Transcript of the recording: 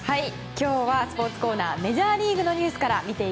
今日はスポーツコーナーメジャーリーグのニュースから。